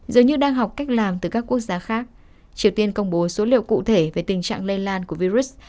dường như đang học cách làm từ các quốc gia khác triều tiên công bố số liệu cụ thể về tình trạng lây lan của virus